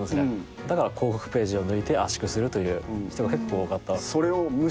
だから広告ページを抜いて圧縮するという人が結構多かった。